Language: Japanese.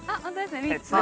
３つ。